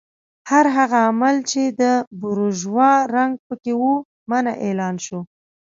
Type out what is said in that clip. هر هغه عمل چې د بورژوا رنګ پکې و منع اعلان شو.